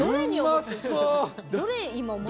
うまそう！